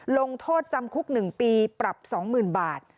ลงโทษจำคุก๑ปีปรับ๒๐๐๐บาท